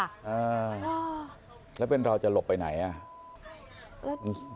อ่าแล้วเป็นเราจะหลบไปไหนอ่ะ